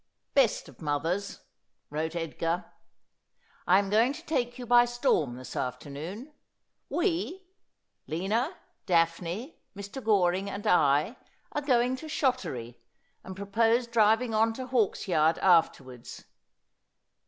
' Best of Mothers,' wrote Edgar, ' I am going to take you by storm this afternoon. We — Lina, Daphne, Mr. Goring, and I — are going to Shottery, and propose driving on to Hawksyard afterwards.